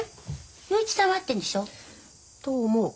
洋一さんは会ってんでしょ？と思う。